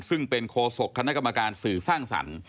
ซึ่งเป็นโคศกคณะกรรมการสื่อสร้างสรรค์